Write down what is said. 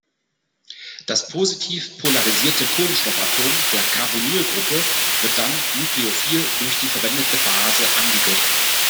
Das positiv polarisierte Kohlenstoffatom der Carbonylgruppe wird dann nucleophil durch die verwendete Base angegriffen.